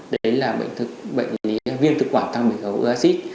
đó là viêm thực quản thăng bình khẩu oaxid